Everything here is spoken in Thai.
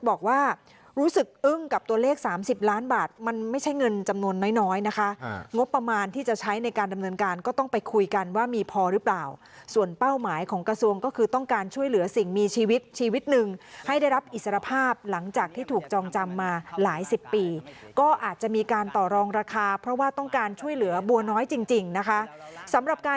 บอกว่ารู้สึกอึ้งกับตัวเลข๓๐ล้านบาทมันไม่ใช่เงินจำนวนน้อยน้อยนะคะงบประมาณที่จะใช้ในการดำเนินการก็ต้องไปคุยกันว่ามีพอหรือเปล่าส่วนเป้าหมายของกระทรวงก็คือต้องการช่วยเหลือสิ่งมีชีวิตชีวิตหนึ่งให้ได้รับอิสรภาพหลังจากที่ถูกจองจำมาหลายสิบปีก็อาจจะมีการต่อรองราคาเพราะว่าต้องการช่วยเหลือบัวน้อยจริงนะคะสำหรับการ